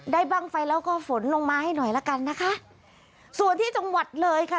บ้างไฟแล้วก็ฝนลงมาให้หน่อยละกันนะคะส่วนที่จังหวัดเลยค่ะ